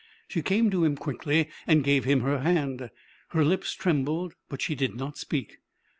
She came to him quickly, and gave him her hand. Her lips trembled, but she did not speak.